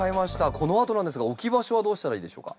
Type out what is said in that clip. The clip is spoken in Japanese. このあとなんですが置き場所はどうしたらいいでしょうか？